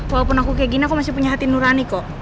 walaupun aku kayak gini aku masih punya hati nurani kok